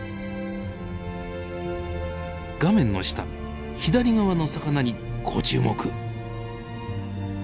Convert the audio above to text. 画面の下左側の魚にご注目。